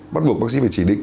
bắt buộc bác sĩ phải chỉ định